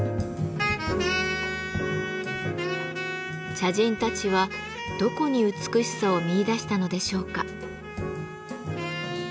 茶人たちはどこに美しさを見いだしたのでしょうか？